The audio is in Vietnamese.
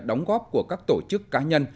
đóng góp của các tổ chức cá nhân